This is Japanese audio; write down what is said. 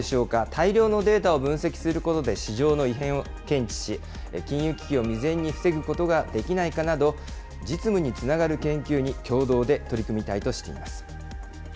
大量のデータを分析することで市場の異変を検知し、金融危機を未然に防ぐことができないかなど、実務につながる研究に共同で取り組みたいとしています。